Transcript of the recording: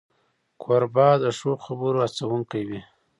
کوربه د ښو خبرو هڅونکی وي.